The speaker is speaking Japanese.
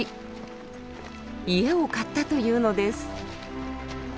家を買ったというのです。